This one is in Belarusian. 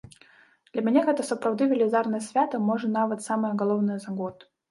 Для мяне гэта сапраўды велізарнае свята, можа нават самае галоўнае за год.